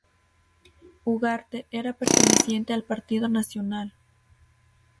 Ugarte era perteneciente al Partido Nacional.